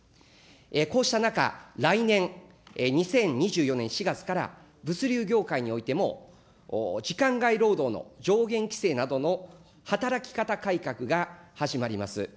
こうした中、来年・２０２４年４月から、物流業界においても、時間外労働の上限規制などの働き方改革が始まります。